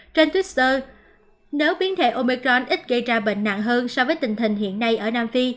trên twitter nếu biến thể omecron ít gây ra bệnh nặng hơn so với tình hình hiện nay ở nam phi